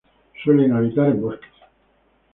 Suelen habitar en bosques.